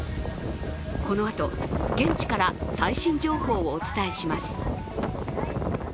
このあと、現地から最新情報をお伝えします。